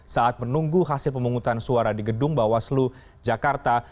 saat menunggu hasil pemungutan suara di gedung bawaslu jakarta